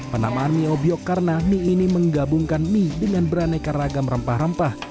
penamaan mie obyok karena mie ini menggabungkan mie dengan beraneka ragam rempah rempah